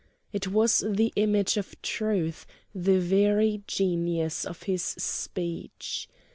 It was the image of Truth, the very genius of his speech.